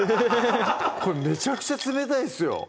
これめちゃくちゃ冷たいですよ